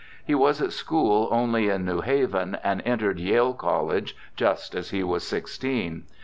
He was at school only in New Haven, and entered Yale College just as he was sixteen.